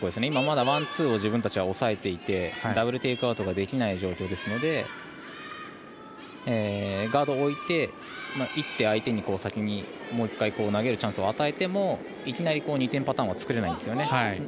今、まだワン、ツーを自分たちが抑えていてダブル・テイクアウトができない状況ですのでガードを置いて一手、相手にもう１回投げるチャンスを与えてもいきなり２点パターンは作れないんですよね。